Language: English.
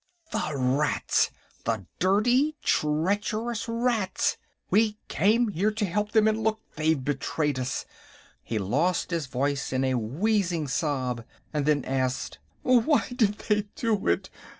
"The rats! The dirty treacherous rats! We came here to help them, and look; they've betrayed us...!" He lost his voice in a wheezing sob, and then asked: "Why did they do it?